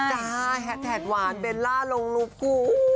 ใช่แฮทแทดวานเบลลาลงลูบกู